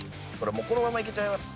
このままいけちゃいます。